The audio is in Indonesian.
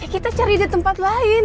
kita cari di tempat lain